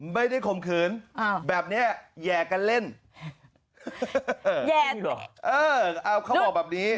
ไม่ได้ข่มขืนอ่าแบบเนี้ยแยกกันเล่นแยกเออเขาบอกแบบนี้